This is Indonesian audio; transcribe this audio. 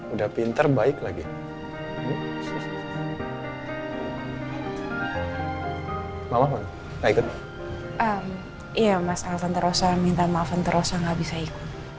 udah pinter baik lagi mama mau ikut iya mas alvanterosa minta maafan teros nggak bisa ikut